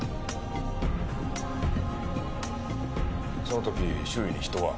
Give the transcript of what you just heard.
その時周囲に人は？